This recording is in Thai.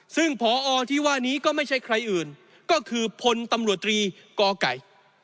ซึ่งพอที่ว่านี้ก็ไม่ใช่ใครอื่นก็คือพลตำรวจตรีกไก่